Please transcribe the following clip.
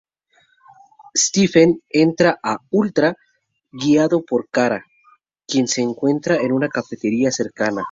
Stephen entra a "Ultra" guiado por Cara, quien se encuentra en una cafetería cercana.